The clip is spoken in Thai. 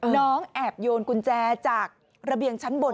น้องแอบโยนกุญแจจากระเบียงชั้นบน